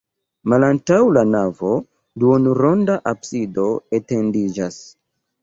Malantaŭ la navo duonronda absido etendiĝas.